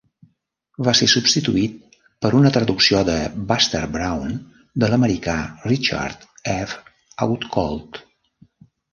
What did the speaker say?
Va ser substituït per una traducció de "Buster Brown" de l'americà Richard F. Outcault.